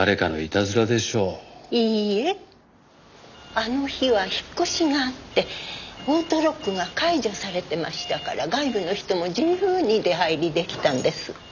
あの日は引っ越しがあってオートロックが解除されてましたから外部の人も自由に出入り出来たんです。